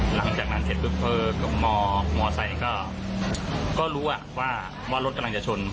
หลังจากนั้นเสร็จปุ๊บมอไซค์ก็รู้ว่ารถกำลังจะชน